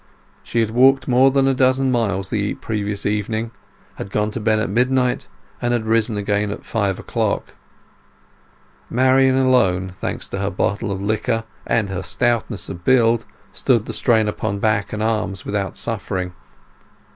She had walked more than a dozen miles the previous evening, had gone to bed at midnight, and had risen again at five o'clock. Marian alone, thanks to her bottle of liquor and her stoutness of build, stood the strain upon back and arms without suffering.